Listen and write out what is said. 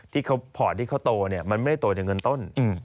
ที่เขาพอดที่เขาโตมันไม่ได้โตจากเงินต้น